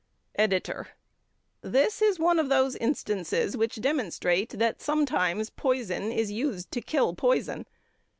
EDITOR: This is one of those instances which demonstrate that sometimes poison is used to kill poison.